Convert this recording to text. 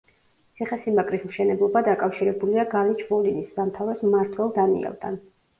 ციხესიმაგრის მშენებლობა დაკავშირებულია გალიჩ-ვოლინის სამთავროს მმართველ დანიელთან.